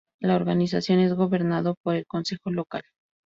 La organización es gobernado por el Consejo Local.